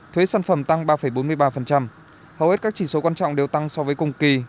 thuế sản phẩm tăng ba bốn mươi ba hầu hết các chỉ số quan trọng đều tăng so với cùng kỳ